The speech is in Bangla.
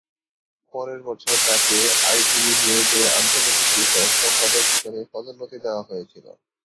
পরের বছর তাকে আইটিভি নিউজের আন্তর্জাতিক বিষয়ক সম্পাদক হিসাবে পদোন্নতি দেওয়া হয়েছিল।